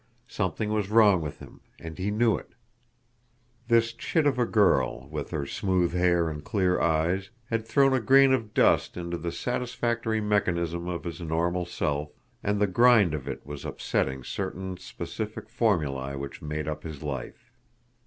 Something was wrong with him, and he knew it. This chit of a girl with her smooth hair and clear eyes had thrown a grain of dust into the satisfactory mechanism of his normal self, and the grind of it was upsetting certain specific formulae which made up his life.